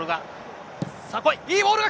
いいボールが。